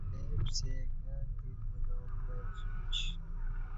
پسے پسے گہ دیر بدا پعیاسمیش